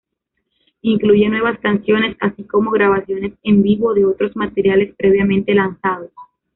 Incluye nuevas canciones así como grabaciones en vivo de otros materiales previamente lanzados.